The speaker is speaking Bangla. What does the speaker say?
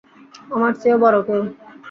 আমার চেয়েও বড়ো কেউ।